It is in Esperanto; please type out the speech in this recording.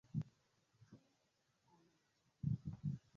Ĉu koincido?